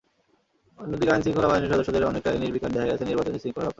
অন্যদিকে আইনশৃঙ্খলা বাহিনীর সদস্যদের অনেকটাই নির্বিকার দেখা গেছে নির্বাচনী শৃঙ্খলা রক্ষায়।